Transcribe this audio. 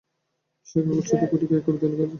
সে কাগজটিতে গুটিকয়েক কবিতা লিখা আছে।